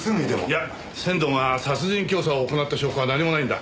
いや仙堂が殺人教唆を行った証拠は何もないんだ。